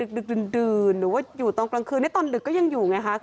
หรืออยู่ตอนกลางคืนไม่ตอนดึกก็ยังอยู่ไงคะ